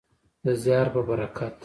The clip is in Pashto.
د زیار په برکت.